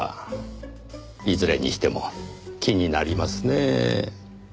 いずれにしても気になりますねぇ。